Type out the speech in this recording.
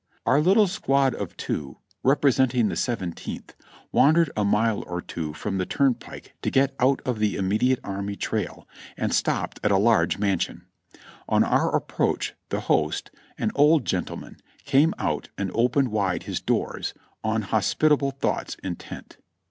Our little squad of two, representing the Seventeenth, wan dered a mile or two from the turnpike to get out of the imme diate army trail, and stopped at a large mansion ; on our ap proach the host, an old gentleman, came out and opened wide his doors "on hospitable thoughts intent."